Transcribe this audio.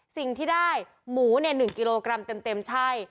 สิ่งที่ได้หมู๑กิโลกรัมเต็มใช่